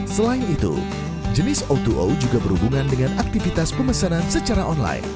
selain itu jenis o dua juga berhubungan dengan aktivitas pemesanan secara online